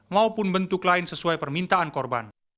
maupun bentuk lain sesuai permintaan korban